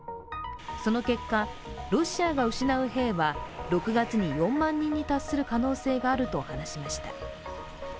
その結果、ロシアが失う兵は６月に４万人に達する可能性があると話しました。